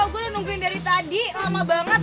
gue udah nungguin dari tadi lama banget